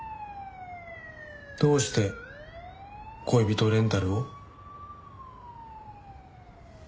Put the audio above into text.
どうして恋人レンタルを？